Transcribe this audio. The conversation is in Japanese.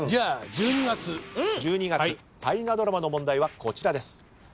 １２月大河ドラマの問題はこちらです。